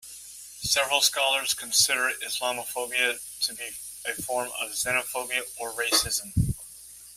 Several scholars consider Islamophobia to be a form of xenophobia or racism.